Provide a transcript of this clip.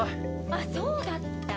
あっそうだった！